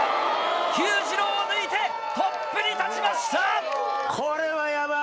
Ｑ次郎を抜いてトップに立ちました！